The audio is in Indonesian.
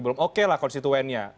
belum oke lah konstituennya